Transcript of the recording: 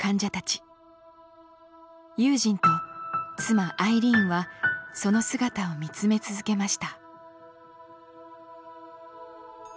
ユージンと妻アイリーンはその姿を見つめ続けました。